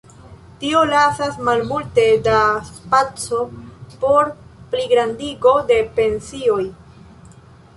Tio lasas malmulte da spaco por pligrandigo de pensioj.